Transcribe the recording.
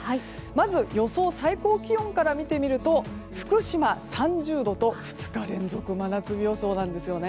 まず予想最高気温から見てみると福島、３０度と２日連続真夏日予想です。